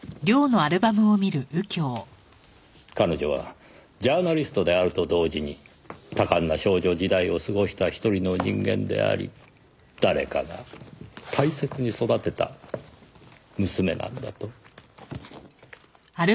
彼女はジャーナリストであると同時に多感な少女時代を過ごした一人の人間であり誰かが大切に育てた娘なんだと。